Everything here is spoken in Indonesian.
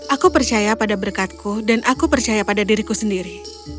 aku percaya pada berkatku dan aku percaya pada diriku sendiri